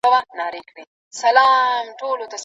- پاییزحنیفی، شاعر، ليکوال او د ولسي ادب څيړونکی.